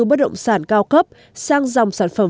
bất động sản cao cấp sang dòng sản phẩm